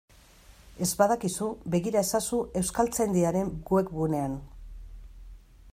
Ez badakizu, begira ezazu Euskaltzaindiaren webgunean.